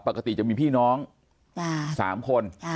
ปกติจะมีพี่น้อง๓คน